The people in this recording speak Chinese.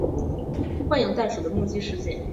幻影袋鼠的目击事件。